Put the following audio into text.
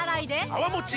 泡もち